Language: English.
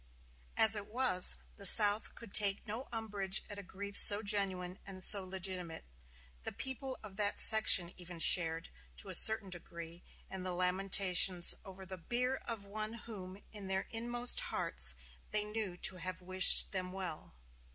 As it was, the South could take no umbrage at a grief so genuine and so legitimate; the people of that section even shared, to a certain degree, in the lamentations over the bier of one whom in their inmost hearts they knew to have wished them well.